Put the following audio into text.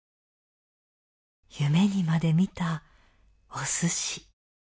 夢にまで見たお寿司。